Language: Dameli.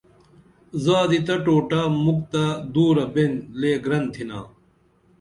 زادی تہ ٹوٹہ مُکھ تہ دُورہ بین لےگرن تِھنا